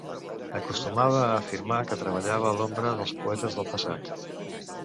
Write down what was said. Acostumava a afirmar que treballava a l'ombra dels poetes del passat.